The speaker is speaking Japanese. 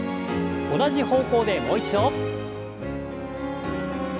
同じ方向でもう一度。